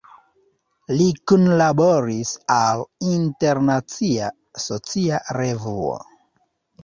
Li kunlaboris al "Internacia Socia Revuo.